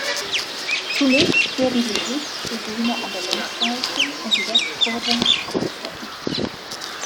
Zunächst werden die Südtribüne an der Längsseite und die Westkurve abgebrochen.